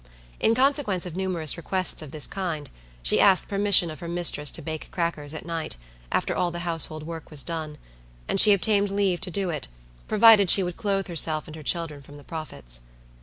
In consequence of numerous requests of this kind, she asked permission of her mistress to bake crackers at night, after all the household work was done; and she obtained leave to do it, provided she would clothe herself and her children from the profits.